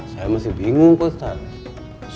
saya masih bingung kok ustadz